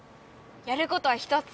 やることは１つ！